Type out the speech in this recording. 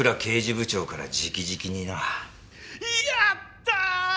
やったー！